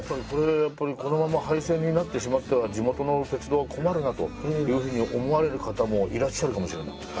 これやっぱりこのまま廃線になってしまっては地元の鉄道困るなというふうに思われる方もいらっしゃるかもしれない。